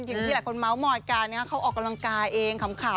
อย่างที่หลายคนเมาส์หมอดกันนะคะเขาออกกำลังกายเองขำค่ะ